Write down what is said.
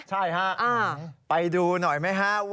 ใช่ครับไปดูหน่อยมั้ยครับแล้ว๐๑